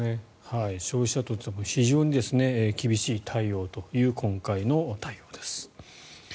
消費者庁も非常に厳しい対応という今回の対応です。